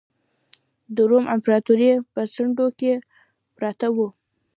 د روم امپراتورۍ په څنډو کې پراته وو.